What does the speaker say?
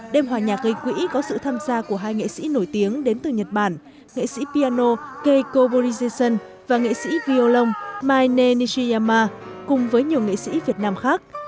đêm hòa nhạc gây quỹ có sự tham gia của hai nghệ sĩ nổi tiếng đến từ nhật bản nghệ sĩ piano keiko burishisan và nghệ sĩ violon maene nishiyama cùng với nhiều nghệ sĩ việt nam khác